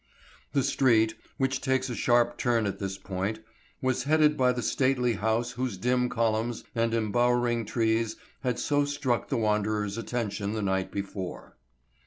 The street, which takes a sharp turn at this point, was headed by the stately house whose dim columns and embowering trees had so struck the wanderer's attention the night before.